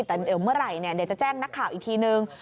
แต่เดี๋ยวเมื่อไหร่เดี๋ยวจะแจ้งนักข่าวอีกทีนึง